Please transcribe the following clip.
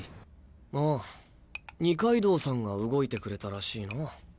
ああ二階堂さんが動いてくれたらしいな。